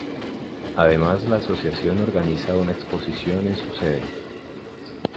Además, la asociación organiza una exposición en su sede.